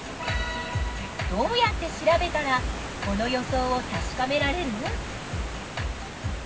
どうやって調べたらこの予想をたしかめられる？